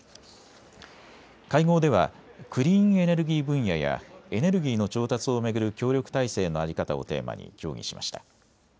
会合ではクリーンエネルギー分野やエネルギーの調達を巡る協力体制の在り方をテーマに協議しました。